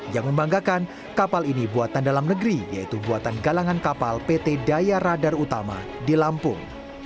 yang membanggakan kapal ini buatan dalam negeri yaitu buatan galangan kapal pt daya radar utama di lampung